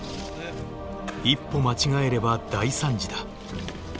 一歩間違えれば大惨事だ。